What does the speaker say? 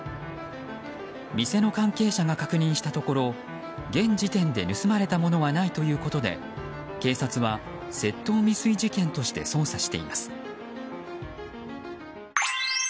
店の関係者が確認したところ現時点で盗まれたものはないということで警察は窃盗未遂事件として捜査しています。